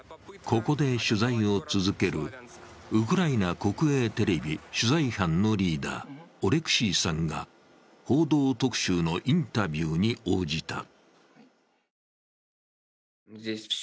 ここで取材を続けるウクライナ国営テレビ取材班のリーダー、オレクシーさんが「報道特集」のインタビューに応じた。